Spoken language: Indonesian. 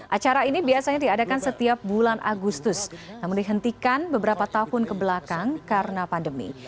acara ini biasanya diadakan setiap bulan agustus namun dihentikan beberapa tahun kebelakang karena pandemi